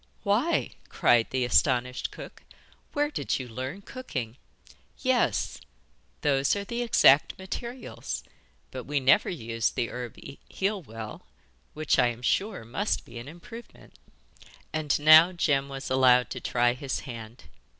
'Why,' cried the astonished cook, 'where did you learn cooking? Yes, those are the exact materials, but we never used the herb heal well, which, I am sure, must be an improvement.' And now Jem was allowed to try his hand.